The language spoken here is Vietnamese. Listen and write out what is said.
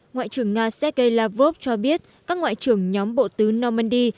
ngoại trưởng nga sergei lavrov cho biết các ngoại trưởng nhóm bộ tứ normandy